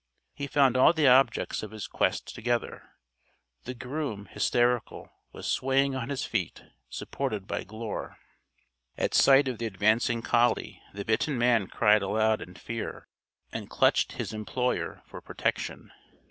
He found all the objects of his quest together. The groom, hysterical, was swaying on his feet, supported by Glure. At sight of the advancing collie the bitten man cried aloud in fear and clutched his employer for protection.